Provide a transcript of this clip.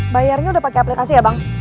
bayarnya udah pakai aplikasi ya bang